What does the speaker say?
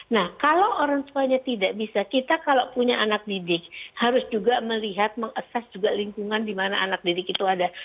nah kalau orang tuanya tidak bisa kita kalau punya anak didik harus juga melihat mengases juga lingkungan di mana anak didik itu ada